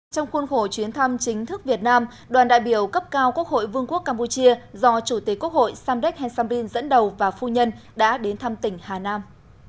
trong khuôn khổ chuyến thăm chính thức việt nam đoàn đại biểu cấp cao quốc hội vương quốc campuchia do chủ tịch quốc hội samdek heng samrin dẫn đầu và phu nhân đã đến thăm tỉnh hà nam